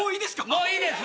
もういいです！